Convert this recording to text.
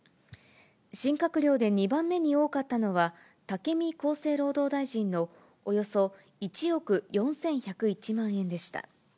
新閣僚で２番目に多かったのは、武見厚生労働大臣のおよそ１億４１０１万円でした。